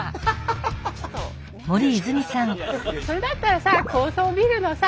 それだったらさ高層ビルのさ